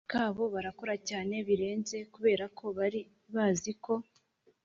kabo barakora cyane birenze kuberako bari baziko